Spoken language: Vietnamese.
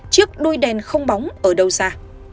chiếc đuôi đèn không bóng ở đâu ra